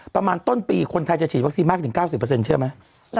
ประมาณต้นปีคนไทยจะฉีดวัคซีนมากถึง๙๐เชื่อไหม